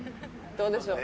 どうでしょう？